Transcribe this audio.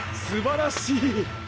すばらしい！